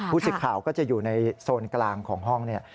สิทธิ์ข่าวก็จะอยู่ในโซนกลางของห้องเนี่ย